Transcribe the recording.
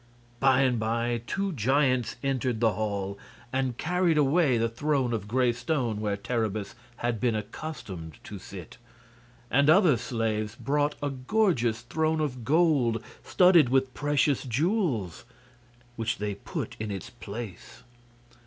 By and by two giants entered the hall and carried away the throne of gray stone where Terribus had been accustomed to sit; and other slaves brought a gorgeous throne of gold, studded with precious jewels, which they put in its place.